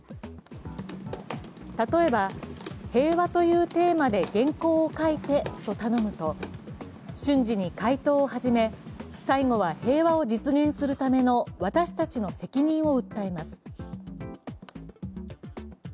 例えば平和というテーマで原稿を書いてと頼むと瞬時に回答を始め、最後は平和を実現するための私たちの責任を訴えます。